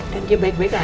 dan dia baik baik aja kok